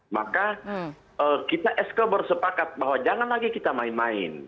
maka kita esko bersepakat bahwa jangan lagi kita main main